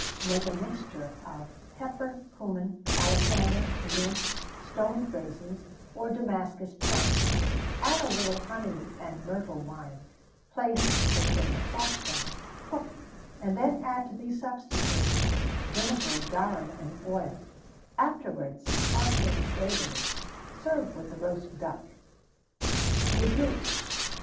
_ Make a mixture of pepper, cummin, alisander, mint, stoned raisins, or Damascus plums; add a little honey and myrtle wine; place it in a saucepan; cook, and then add to these substances vinegar, garum, and oil; afterwards some parsley and savory; serve with the roast duck.[XVII 48] THE GOOSE.